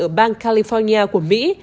ở bang california của mỹ